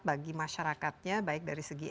bagi masyarakatnya baik dari segi